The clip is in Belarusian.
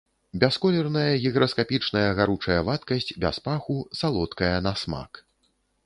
Бясколерная гіграскапічная гаручая вадкасць без паху, салодкая на смак.